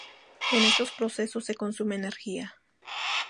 En estos procesos se consume energía.